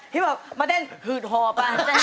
ฮิปอปมาเต้นหือดห่อป